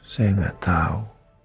saya gak tahu